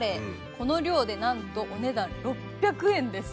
この量でなんとお値段６００円です。